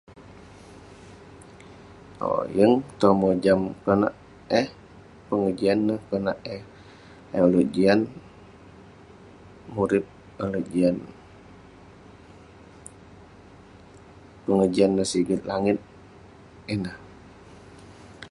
Owk, yeng toh mojam konak eh pengejian neh, konak eh [unintelligible] Murip ulouk jian, pengojam neh siget langit ineh.